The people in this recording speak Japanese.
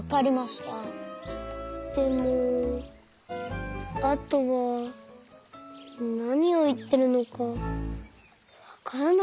でもあとはなにをいってるのかわからなかった。